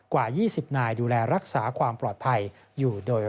กว่า๒๐นายดูแลรักษาความปลอดภัยอยู่โดย